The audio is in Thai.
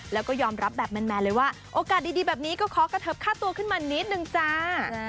แล้วก็ยอมรับแบบแมนเลยว่าโอกาสดีแบบนี้ก็ขอกระเทิบค่าตัวขึ้นมานิดนึงจ้า